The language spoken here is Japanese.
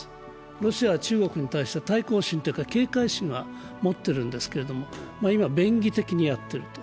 ロシアは中国に対しては対抗心というか警戒心は持っているんですけど、今、便宜的にやっている。